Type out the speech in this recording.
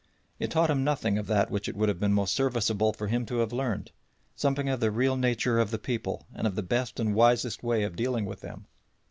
It taught him nothing of that which it would have been most serviceable for him to have learned something of the real nature of the people and of the best and wisest way of dealing with them.